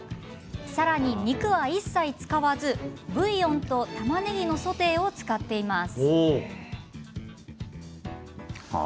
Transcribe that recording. さらに、肉は一切使わずブイヨンとたまねぎのソテーを使っています。